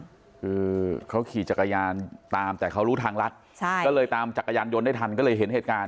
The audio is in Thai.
คือเขาขี่จักรยานตามแต่เขารู้ทางลัดใช่ก็เลยตามจักรยานยนต์ได้ทันก็เลยเห็นเหตุการณ์